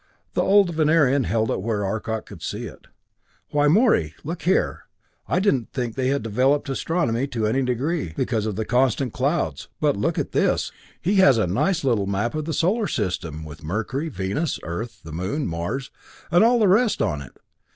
The old Venerian held it where Arcot could see it. "Why, Morey, look here I didn't think they had developed astronomy to any degree, because of the constant clouds, but look at this. He has a nice little map of the solar system, with Mercury, Venus, Earth, the Moon, Mars, and all the rest on it.